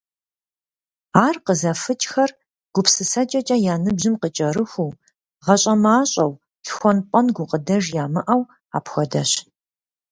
Ар къызэфыкӀхэр гупсысэкӀэкӀэ я ныбжьым къыкӀэрыхуу, гъащӀэ мащӀэу, лъхуэн-пӀэн гукъыдэж ямыӀэу апхуэдэщ.